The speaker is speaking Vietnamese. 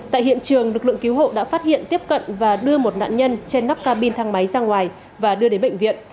tại hiện trường lực lượng cứu hộ đã phát hiện tiếp cận và đưa một nạn nhân trên nắp cabin thang máy ra ngoài và đưa đến bệnh viện